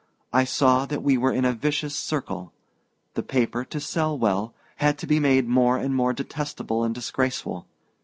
I saw that we were in a vicious circle. The paper, to sell well, had to be made more and more detestable and disgraceful.